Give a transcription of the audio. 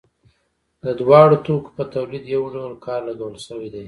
د دواړو توکو په تولید یو ډول کار لګول شوی دی